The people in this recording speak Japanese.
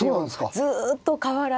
ずっと変わらず。